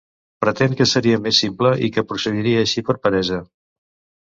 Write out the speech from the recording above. Pretén que seria més simple i que procediria així per peresa.